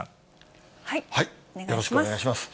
よろしくお願いします。